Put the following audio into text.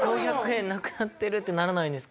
「４００円なくなってる」ってならないんですかね？